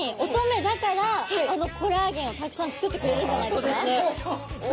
乙女だからコラーゲンをたくさん作ってくれるんじゃないですか。